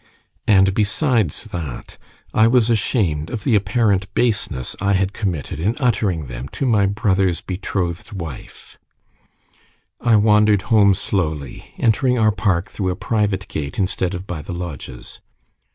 And besides that, I was ashamed of the apparent baseness I had committed in uttering them to my brother's betrothed wife. I wandered home slowly, entering our park through a private gate instead of by the lodges.